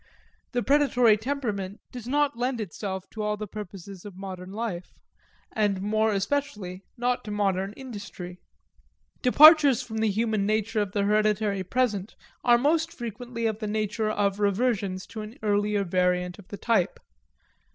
The predatory temperament does not lead itself to all the purposes of modern life, and more especially not to modern industry. Departures from the human nature of the hereditary present are most frequently of the nature of reversions to an earlier variant of the type.